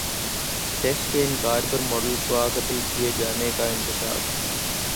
sex سے انکار پر ماڈل کا قتل کیے جانے کا انکشاف